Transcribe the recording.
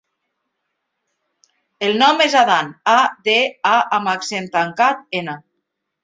El nom és Adán: a, de, a amb accent tancat, ena.